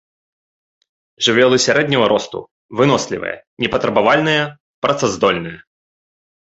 Жывёлы сярэдняга росту, вынослівыя, непатрабавальныя, працаздольныя.